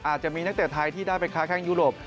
อาจจะมีนักเตะไทยที่ได้ไปค้าแข้งยุโรป